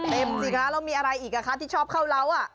สิคะแล้วมีอะไรอีกอ่ะคะที่ชอบเข้าเล้า